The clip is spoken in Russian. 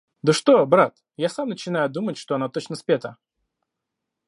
Да что, брат, я сам начинаю думать, что она точно спета.